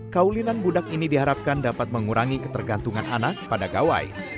kaulinan budak ini diharapkan dapat mengurangi ketergantungan anak pada gawai